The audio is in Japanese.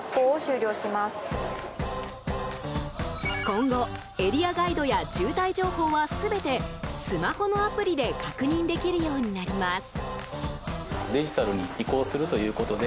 今後エリアガイドや渋滞情報は全てスマホのアプリで確認できるようになります。